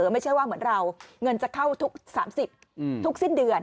ไม่ใช่ว่าเหมือนเราเงินจะเข้าทุก๓๐ทุกสิ้นเดือน